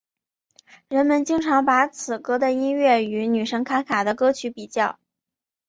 人们经常把此歌的音乐与女神卡卡的歌曲比较。